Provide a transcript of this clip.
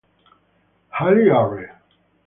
Halley Arre!